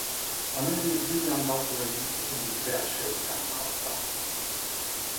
A nevét William Butler Yeats egyik verse után kapta.